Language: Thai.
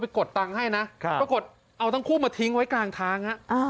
กดตังค์ให้นะปรากฏเอาทั้งคู่มาทิ้งไว้กลางทาง